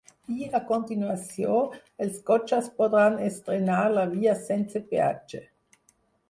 I, a continuació, els cotxes podran estrenar la via sense peatge.